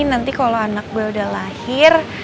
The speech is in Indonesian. nanti kalau anak gue udah lahir